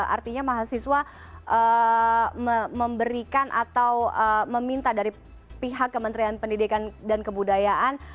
artinya mahasiswa memberikan atau meminta dari pihak kementerian pendidikan dan kebudayaan